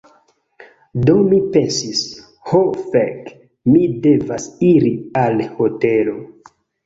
Do mi pensis "Ho fek, mi devas iri al hotelo."